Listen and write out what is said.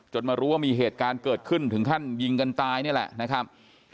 มารู้ว่ามีเหตุการณ์เกิดขึ้นถึงขั้นยิงกันตายนี่แหละนะครับ